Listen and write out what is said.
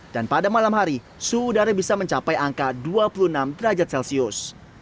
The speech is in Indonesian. dan pada malam hari suhu udara bisa mencapai angka dua puluh enam derajat celcius